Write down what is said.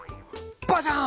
バシャン！